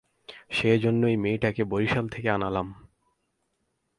সেই জন্যেই মেয়েটাকে বরিশাল থেকে আনালাম।